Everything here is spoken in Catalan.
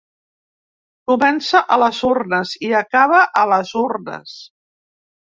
Comença a les urnes i acaba a les urnes.